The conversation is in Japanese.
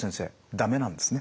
駄目なんですね？